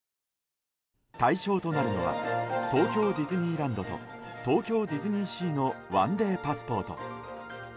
対象となるのは東京ディズニーランドと東京ディズニーシーの１デーパスポート。